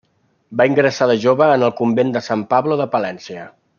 Va ingressar de jove en el Convent de Sant Pablo de Palència.